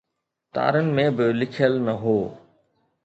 تارن ۾ به لکيل نه هو.